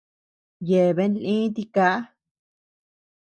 Yeabean lii tiká.